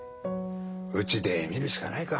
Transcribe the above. うちで見るしかないか。